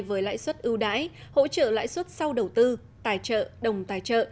với lãi suất ưu đãi hỗ trợ lãi suất sau đầu tư tài trợ đồng tài trợ